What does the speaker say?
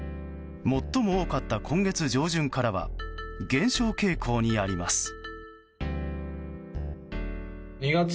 最も多かった今月上旬からは減少傾向にあります。